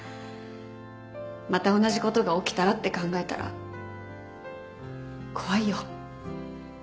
また同じことが起きたらって考えたら怖いよ。